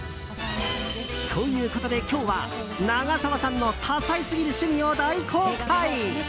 ということで、今日は長澤さんの多才すぎる趣味を大公開。